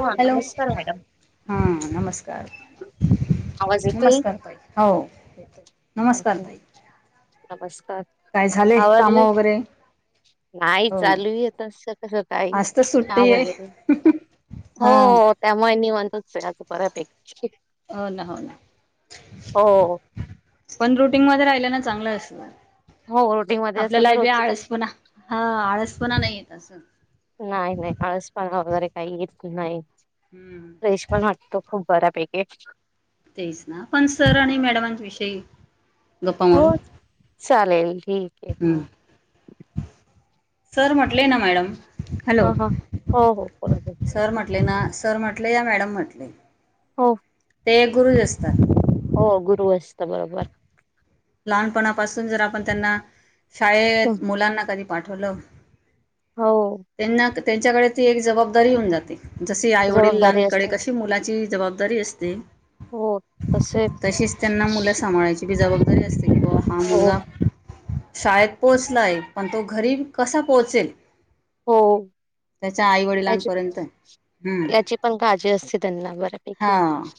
हा हॅलो नमस्कार मॅडम हा नमस्कार आवाज नमस्कार ताई हो [inaudible] आहो ताई नमस्कार काय झाले काम आवरलेस वगैरे नाही हो चालू आहेेत सगळं काही आज तर चहा सुट्टी आहे वगैरे हो हा त्यामुळे नि वा [unintelligible] हो ना हो ना हो पण रुटीन मध्ये राहिल्या ना चांगलं असत. हो रुटीन मध्ये असलं आपल्याला तर बी रोजच आळसपणा हा आळसपणा नाहीयेत. असं नाय नाय आळसपणा वगैरे काही येत नाही. हम्म फ्रेश पण वाटतो खूप बऱ्यापैकी तेच ना पण सर आणि मॅडमांच्य विषयी हो चालेल ठीकये हम्म हा सर म्हटले ना मॅडम हा हॅलो हा हो हो बरोबर सर म्हटले ना सर म्हटले या मॅडम म्हटले हो. ते गुरुज असतात. त बरोबर लहानपणापासून जर आपण त्यांना हं. शाळेत मुलांना कधी पाठवलं. हो. त्यांना त्यांच्याकडे ती एक जवाबदारी होऊन जाते. जसे आई जबाबदारी असते वडिलांकडे कशी मुलाची जवाब दारी असते. हो तसेच [unintelligible] जाऊन. बरी असते. व हा मुलगा शाळेत पोहोचलाय पण तो घरी कसा पोहोचेल. हो त्याच्या आई त्याची वडिलांपर्यंत हूं याची पण काळजी असते त्यांना हा बऱ्यापैकी.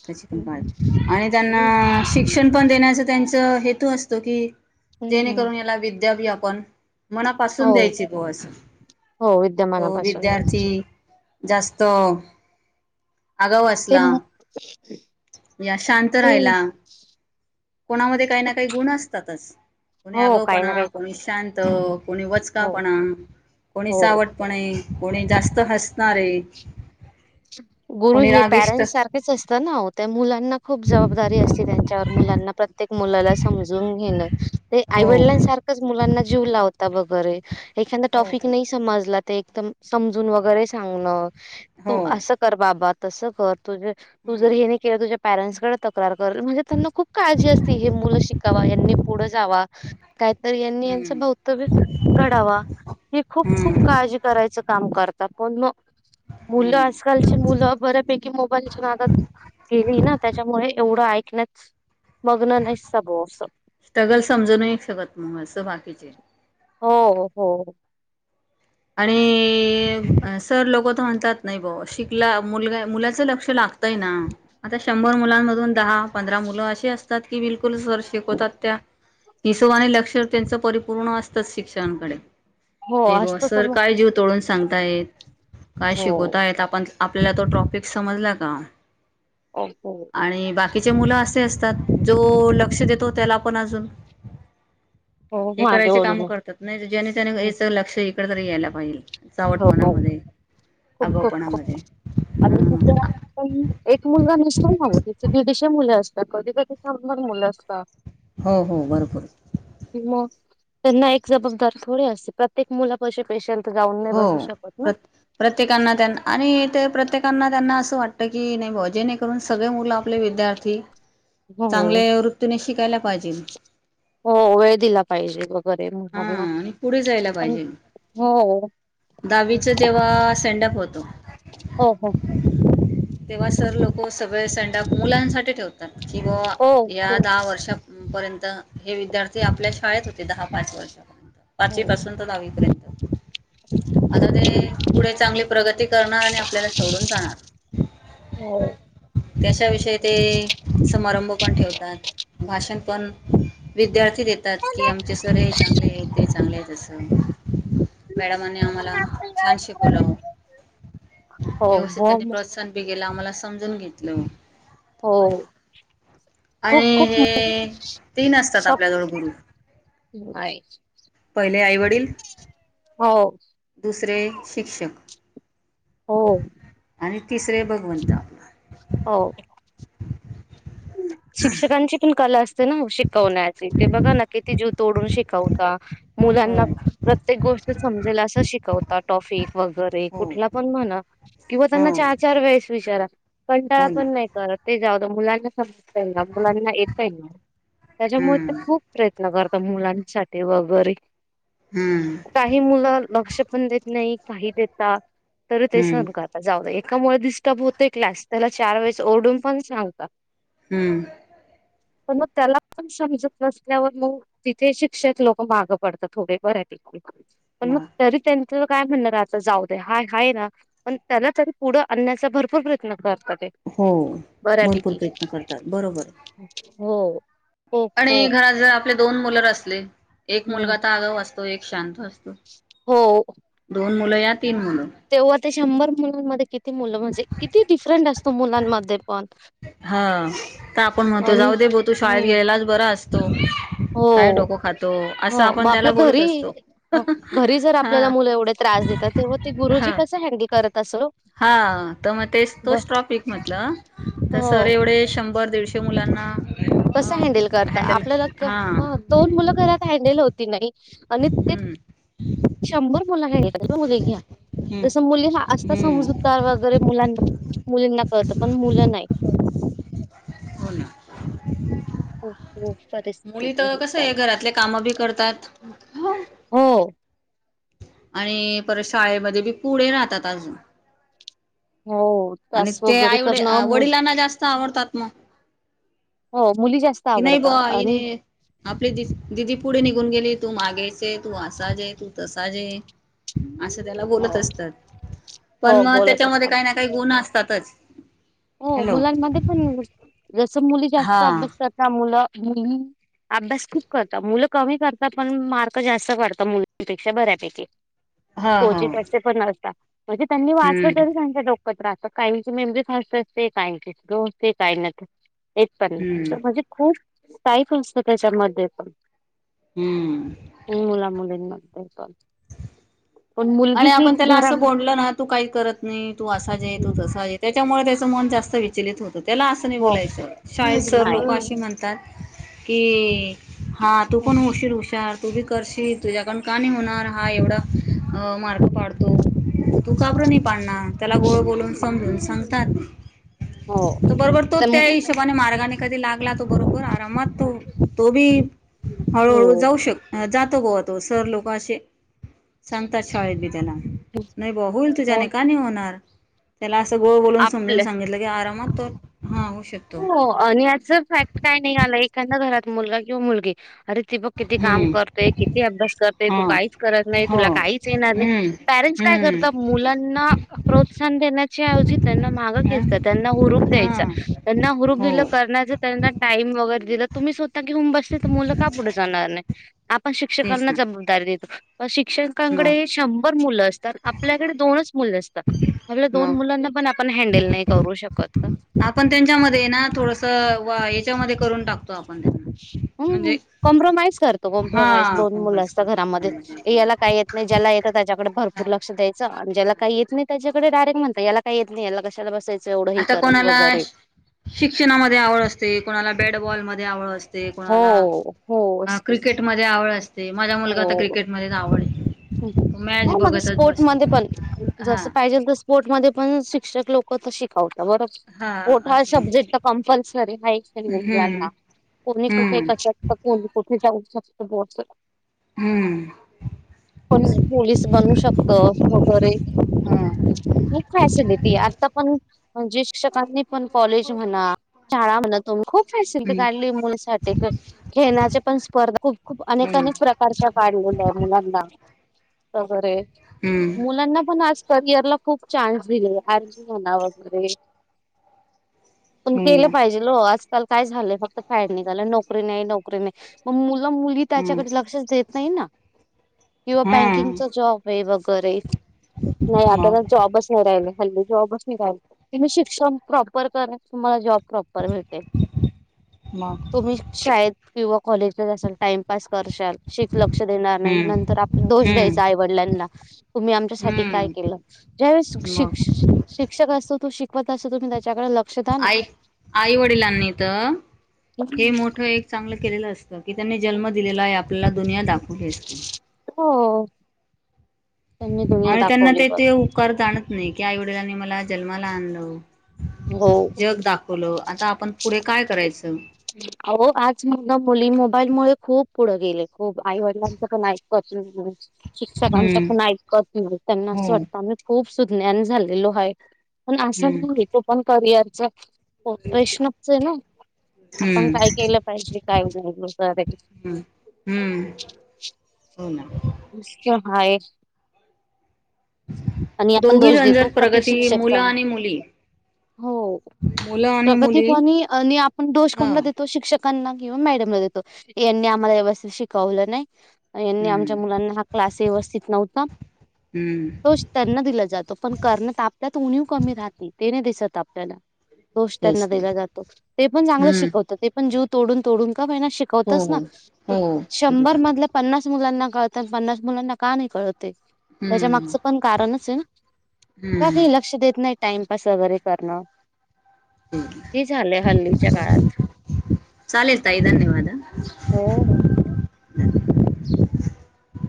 त्याची पण काळजी आणि हम्म त्यांना शिक्षण पण देण्याच त्यांच त हेतू असतो की हम्म. जेणेकरून याला विद्या व्याप पण मनापासून हो द्यायची बुआ अस हो हो विद्यमानापासून विद्यार्थी द्यायची जास्त आगाव ते असला, मग या शांत ते राहिला. कोणामध्ये काही ना काही गुण असतातच कोणी हो आगावु काही ना पणा, काही करू कोणी शांत कोणी वचका हो पणा, कोणी हो चावट पणे कोणी जास्त हसणारे. गुरु कोणी हे रागिष्ट पॅरेंटस सारखेच असता ना. त्या मुलात. त्यांना खूप जबाबदारी असते त्यांच्यावर. मुलांना प्रत्येक मुलाला समजून घेणं. ते हो आईवडलांसारखंच मुलांना. जीव लावता वगैरे‌ एखादा हो टॉफिक हो नाही समजला. ते एकदम समजून वगैरे सांगण. हो तू असं कर बाबात. तसं कर. तुझ तु जर हम्म हे नाही केल तुझ्या. पॅरेंट्सकडे तक्रार करल म्हणजे त्यांना खूप काळजी असती हे मुलं शिकावा यांनी पुढ जावा. काहीत यांनी यांच हम्म भवतव्य घडावा हे खूप खूप हम्म काळजी करायची. काम करतात पण मग. मुलं हम्म आजकालची मुलं बऱ्यापैकी मोबाईलच्या नादात गेली ना त्याच्यामुळे एवढं आए लंच- स्ट्रगल समजून शकत मग अस बाकीचे. हो हो. आणि सर लोक तर म्हणतात नाही भा शिकला मुलगा मुलाच लक्ष लागतय ना आता शंभर मुलांमधून दहा पंधरा मुलं असे असतात की बिलु. कुल सर शिकवतात त्या. हिशोबाने लक्ष त्यांच परिपूर्ण असत शिक्षणकडे. हो असत तर सर मग काय जीव तोडून सांगता येत काय हो शिकवताय आपण आपल्याला तो टॉपिक समजला का [inaudible] तिचे मुल असे असतात जो लक्ष देतो त्याला पण अजून हो, हे मागे करायचे काम ओढण करतात नाही ज्याने त्याने याच लक्ष तर तरी यायला पाहिजे हो चावटपणामध्ये खूप खूप आगाऊपणामध्ये खूपप आणि तिथ पण एक मुलगा नस [unintelligible] दीडशे मुले असतात कधी कधी छानदार मुलं असतात हो हो भरपूर कि मग त्यांना एक जबाबदार थोडे असते प्रत्येक मुला पशी पेशंट जाऊन नाही हो बसू शकत ना. प्र प्रत्येकना त्याना आणि ते प्रत्येक त्याना त्याना अस वाटत की नाही भा जेणेकरून सगळे मुलं आपले विद्यार्थी हो चांगले वृत्तीने शिकायला पाहिजे हो वेळ दिला पाहिजे वगैरे हा मुलांना आणि पुढे जायला पण पाहिजे हो. दहावीच जेव्हा सेंडप होतो हो हो तेव्हा सर लोक सगळे सेंडऑफ मुलांसाठी ठेवतात किंवा हो या खूप दहा वर्षा पर्यंत हे विद्यार्थी आपल्या शाळेत होते दहा पाच वर्षापर्यंत हो पाचवी पासून ते दहावीपर्यंत आता ते पुढे चांगली प्रगती करणार आणि आपल्याला सोडून जाणार हो. त्याच्याविषयी ते समारंभ पण ठेवतात भाषण पण विद्यार्थी देतात की आमचे ते चांगले आहे ते चांगले आहे अस मॅडमनी आम्हाला छान शिकवल व्यवस्थित हो त्यानी हो प्रोत्साहन बी केला आम्हाला समजून घेतल हो आणि खूप खूप हे तीन असतात आपल्याजवळ फक्त गुरु [inaudible] पहिले आई वडील हो दुसरे शिक्षक हो आणि तिसरे भगवंता हो शिक्षकांची पण कला अस तन [inaudible] कोणाची ती बघा न किती जु तोडून शिकवता मुलांना हो प्रत्येक गोष्ट समजेला असं शिकवता टॉफिक वगैरे हो कुठला पण म्हणा किंवा त्यांना हो चार चार वेळेस विचारा कंटाळा हो ना पण नाही करत ते जादू मुलां हा मुलांना येतय ना त्याच्यामुळे हम्म खूप प्रयत्न करत मुलांसाठी वगैरे हम्म काही मुलं लक्ष पण देत नाही साही देता तरी तेस न हम्म का आता जाऊ कामुळे डिस्टर्ब होतेय क्लास त्याला चार वेळेस ओरडून पण सांगता हम्म पण मग त्याला पण समजत नसल्यावर मग तिथे शिक्षक लोक मागं पडतात थोडे बऱ्या पैकी प मग तरीतनी काय म्हणणार आता जाऊ द्या हा हाय ना पण त्यांना तरी पुढं आणण्याचा भरपूर प्रयत्न करत ते बराठी भूर प्रयत्न करतात बरोबर हो खूप आणि खूप घरात जर आपले दोन मुल असले एक हम्म मुलगा तर आगावा असतो एक शांत असं हो पन मुलं यात तेव्हा ते शंभर मुलांमध्ये किती मुलं म्हणजे किती डिफरंट असतो मुलांमध्ये पण हा तर आपण म्हणतो आणि जाऊ दे बोलतो हो शाळेत गेलेलाच बरास असतो तो हो हो मग त्याला आपल्या बोलत घरी असतो घरी जर हा आपल्याला मुलं एवढे त्रास देतात तेवड ते गुरुजी हा. कस हॅडल करत असल हा तर वो त सर एवढे शं बर दीडशे मुलांना अ कस हँडल करता हँडल आपल्याला हा दोन मुलं घरात हँडेल ती नाइ आणि ते हम्म. शंभर मुलं घ मुली घ्या हम्म. जस मुली हा आता हम्म. समजूतदार वगैरे मुलां मुलींना कळत पण मुलं नाही हो ना. हो हो मुली तर कसं आहे घरातले काम बी करतात हो आणि परत शाळेमध्ये बी पुढे राहतात अजून हो आणि तास ते वगैरे आईव करणं मु वडिलांना जास्त आवडतात मग हो मुली जास्त की नाही ब आवडतं आणि हने आपली दिदी पुढे निघून गेली. तू मागायच तू असाजे तू तसा ज ये असं त्याला बोलत हो असतात. पण हो मग बोलत त्याच्यामध्ये असतात काही ना काही गुन असतातच हो हॅलो मुलांमध्ये पण अस मुली जास्त हा अभ्यास कर ना मुलं मुली अभ्यास खूप करतात मुलं कमी करतात पण मार्क जास्त काढतात मुलांपेक्षा बऱ्यापैकी हा हो क्वचित असे पण नसता म्हणजे त्यांनी वाचलं हम्म तरी त्यांच्या काहींची मेमोरी फास्ट असते ना ते काय ते हो ते काय ना ते एक पण हम्म म्हणजे खूप पाईप असतो त्याच्यामध्ये पण हम्म मुला मुलींना [inaudible] आणि आपण त्याला असं घरामध्ये बोलल ना तू काही करत नाही तू असा जे तू हं. तसा जे त्याच्यामुळे त्याच मन जास्त विचलित होते त्याला असं नाही हो बोलायचं शाळेत सर नाही लोक अशी म्हणतात. कि हा तू पण होशील हुशार तू बी करशील तुझ्याकड का नाही होणार हा एवढा अ मार्क पाडतो. तू काबर नाही पाडणार त्याला गोळ बोलून समजून सांगतात हो बरोबर तो तर त्या हिशोबाने मार्गाने कधी लागला तो बरोबर आरामात तो तो बी हो हळूहळू जाऊ शक जात गो तो सर लोक अशे सांगतात शाळेत बी त्यांना नाही ब होईल हो. तुजाने का नाही होणार? त्याला गोळ बोलून समजून आपलं सांगितलं की आरामात तर हो आणि याच फॅक्ट काय नाही आला एक त्यांना घरात मुलगा किंवा मुलगी? अरे ती बघ किती काम हम्म करते किती अभ्यास करते तू हा काहीच करत नाही हो तुला काहीच येणार नाही हम्म पॅरेंट्स काय हम्म करत मुलांना प्रोत्साहन देण्याची ऐवजी त्यांना मागं घेयचतात त्यांना हुरूप द्यायचं हा [unintelligible] हो करणार त्यांना टाइम तुम्ही स्व [inaudible] आता घेऊन बसते तर मुलं का पुढे जाणार नाही आपण तेच शिक्षकांना ना जबाबदारी देतो शिक्षकांकडे मग हे शंभर मुलं असतात आपल्याकडे दोनच मु असत आपल्या दोन मग मुलांना पण आपण हँडल नाही करू शकत का आपण त्यांच्यामध्ये ना थोडस याच्यामध्ये करून टाकतो आप हम कॉम्प्रोमाइज करतो कॉम्प्रोमाइज हा दोन मुलं कॉम्प्रोमाइज असतं करतो त्याच्यामध्ये घरामध्ये याला आपण काय येत नाही ज्याला येतं त्याच्याकडे भरपूर लक्ष द्यायचं आणि ज्याला काही येत नाही त्याच्याडेडायरेक्टणतात याला का येत नाही याला कशाला बसायचं एवढं हे आता करत कोणाला वगैरे शिक्षणामध्ये आवड असते कोणाला बॅटबॉलमध्ये ं हो हो णा स- क्रिकेट म आवड असते ते माझा मुलगाता हो क्रिकेटमध्येच आवडेल हो मग स्पोर्ट मध्ये पण हा जस पाहिजे स्पोर्ट म पण शिक्षक लोक शिकावत बर हा पोठा असे सब्जेक्ट कंपल् खर हम्म मुलाना कोणी कुठे हम्म क चक्क को कुठे जाऊ शक बच हम्म पण पोलीस बनू शकत वगैरे हा खूप फॅसिलिटी आता पण म्हणजे शिक्षकांनी पण कॉलेज म्हणा शाळा म्हणा तुम्ही खूप फॅसिलिटी काढली मुलासाठी खेण्याचे पण स्पर्धा खूप खूप अनेक अनेक प्रकारच्या काढलेल्या आहेत मुलांना वगैरे हम्म मुलांना पण आ करिअर ला खूप चान्स दिले आर्मी म्हणा वगैरे पण हो ना केलं पाहिजे ओ आज मग काय झालंय फक्त फॅड निघाल नोकरी नाही, नोकरी नाही मग मु मुली त्याच्याकडे लक्षच दे नाही ना. किंवा हम्म हो ना हम्म हा बँकिंगचा जॉब आहे वगैरे, नाही आता तर मग जॉबच नाही राहिले. हल्ली जॉबच निघालेत, तुम्ही शिक्षण प्रॉपर करा तुम्हाला जॉब.. प्रॉपर मिळतंय, मग तुम्ही शाळेत किंवा कॉलेजला बसून टाइमपास करशाल शिक, लक्ष देणार नाही हम्म नंतर आप दोष हम्म द्यायचा आईवडिलांना, तुम्ही आमच्यासाठी काय हम्म केलं, ज्यावेळेसा शिक मग शिक्षक असू तू शिकवत असुदे मंग आई, आई वडिलांनी तर हे मोठं एक चांगलं केलेलं असतं कि त्यांनी जन्म दिलेला आहे आपल्याला, दुनिया दाखव गे असते. हो त्यांनी दुनिया आणि त्यांना दाखवली ते बर ते उपकार जाणत नाहीत. कीं आईवडिलांना मला जन्माला आणंलव. हो. जग दाखवलं, आता आपण पुढे काय करायचं. अहो आज मुले खूप पुढं गेले खूप, आई वडिलांचं पण ऐकत नाही. हम्म शिक्षकांचपण ऐकत नाही, त्यांना असं हो. वाटतं आम्ही खूप सुज्ञान झालेलो हाय. पण आशा हम्म घेऊन येतो. करिअरच हो प्रश्नचचेना, आपण हम्म काय केलं पाहिजे काय नाही वगैरे, हम्म हम्म हो ना. नुसत हाये. दोघी झंझट का ते प्रगती, शिक्षक मुलं चांग आणि मुली. हो मुलं आणि प्रगती मुली कमी आणि आपण दोष ह कोणला देतो, शिक्षक शिक्षकांना किंवा मॅडमला देतो यांनी आम्हाला व्यवस्थित शिकवलं नाही यांनी आमच्या हम्म मुलांना हा क्लास व्यवस्थित नव्हता हम्म दोष त्यांना दिला जातो पण करण्यात आपल्यात उणीव कमी राहते, ते नाहीं दिसत. आपल्याला सत. दोष त्यांना तेच ना दिला जातो, ते पण चांगलं हम्म शिकवतात, ते पण जीव तोडून तोडून. महिना हो शिकवतच नाही, त हो हो शंभर शिकवतात मधले पन्नास तर मुलांना कळतात पन्नास मुलांना का नाही कळत. त्याच्या हम्म मागच पण कारणच आहे. का ग हम्म लक्ष देत नाही ते टाइमपास वगैरे. करणार काळात चालेल ताई धन्यवाद हा. हो हो. [unintelligible]